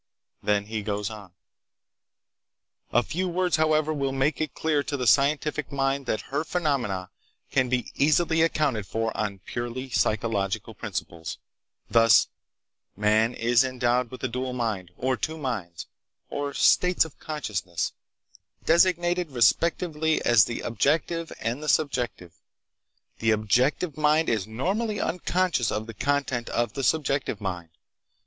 Then he goes on: "A few words, however, will make it clear to the scientific mind that her phenomena can be easily accounted for on purely psychological principles, thus: "Man is endowed with a dual mind, or two minds, or states of consciousness, designated, respectively, as the objective and the subjective. The objective mind is normally unconscious of the content of the subjective mind.